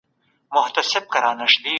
سالم ذهن فشار نه خپروي.